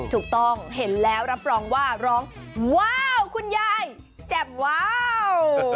ถูกต้องเห็นแล้วรับรองว่าร้องว้าวคุณยายแจ่มว้าว